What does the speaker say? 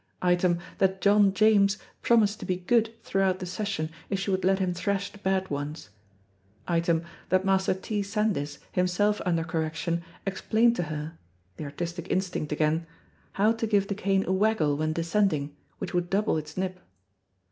Item, that John James promised to be good throughout the session if she would let him thrash the bad ones. Item, that Master T. Sandys, himself under correction, explained to her (the artistic instinct again) how to give the cane a waggle when descending, which would double its nip.